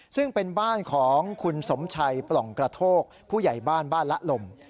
ซึ่งเป็นบ้านของคุณสมชัยปล่องกระโทกผู้ใหญ่บ้านบ้านละลม